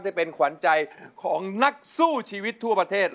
ที่เป็นขวัญใจของนักสู้ชีวิตทั่วประเทศ